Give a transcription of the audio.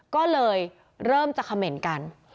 ก็เลยเริ่มจะคำเห็นกัน